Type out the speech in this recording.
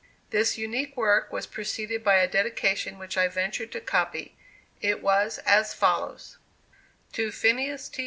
This unique work was preceded by a dedication which I venture to copy. It was as follows: "TO PHINEAS T.